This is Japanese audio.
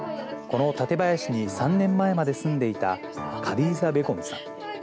この館林に３年前まで住んでいた、カディザ・べゴムさん。